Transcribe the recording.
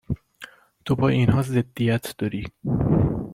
تو با اینها ضدیت داری